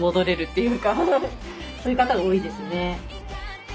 そういう方が多いですね。